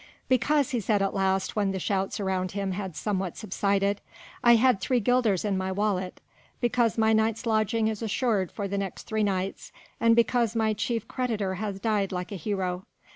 "Because," he said at last when the shouts around him had somewhat subsided, "I had three guilders in my wallet, because my night's lodging is assured for the next three nights and because my chief creditor has died like a hero.